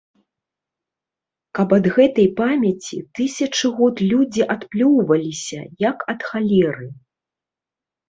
Каб ад гэтай памяці тысячы год людзі адплёўваліся, як ад халеры.